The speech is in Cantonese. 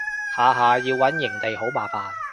下下要搵營地好麻煩